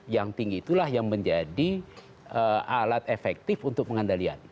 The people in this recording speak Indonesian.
yang tinggi itulah yang menjadi alat efektif untuk pengandalian